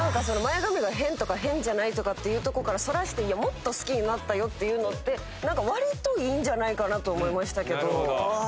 前髪が変とか変じゃないとかっていうとこからそらしてもっと好きになったよって言うのってなんか割といいんじゃないかなと思いましたけど。